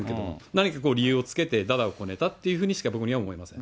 何か理由をつけてだだをこねたっていうふうにしか、僕には見えません。